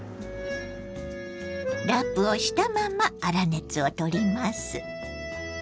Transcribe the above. ラップをしたまま粗熱を取ります。